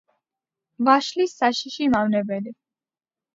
ვაშლის საშიში მავნებელი.